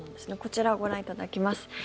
こちらをご覧いただきます。